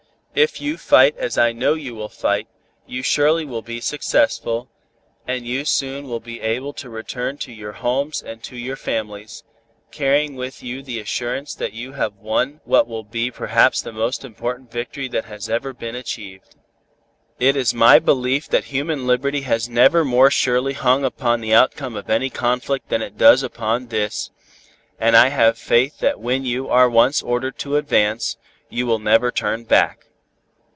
If you fight as I know you will fight, you surely will be successful, and you soon will be able to return to your homes and to your families, carrying with you the assurance that you have won what will be perhaps the most important victory that has ever been achieved. It is my belief that human liberty has never more surely hung upon the outcome of any conflict than it does upon this, and I have faith that when you are once ordered to advance, you will never turn back.